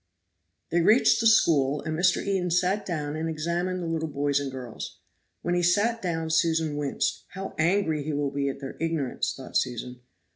They reached the school, and Mr. Eden sat down and examined the little boys and girls. When he sat down Susan winced. How angry he will be at their ignorance! thought Susan.